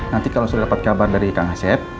nanti kalau sudah dapat kabar dari kang asep